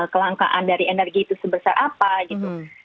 kelangkaan dari energi itu sebesar apa gitu